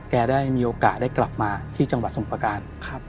ได้มีโอกาสได้กลับมาที่จังหวัดสมประการ